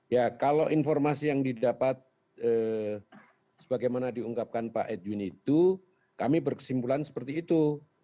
ya kalau informasi yang didapat sebagaimana diungkapkan pak edwin itu kami berkesimpulan seperti itu